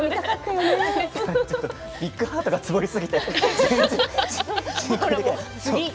ビッグハートがツボりすぎて。